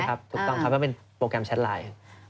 ใช่ครับถูกต้องครับก็เป็นโปรแกรมแชทไลน์